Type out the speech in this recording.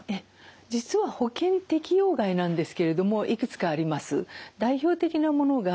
実は保険適用外なんですけれどもいくつかあります。